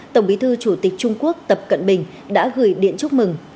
tổng bí thư chủ tịch trung quốc tập cận bình đã gửi điện chúc mừng